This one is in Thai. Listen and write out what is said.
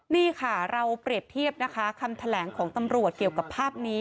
นี่ค่ะเราเปรียบเทียบนะคะคำแถลงของตำรวจเกี่ยวกับภาพนี้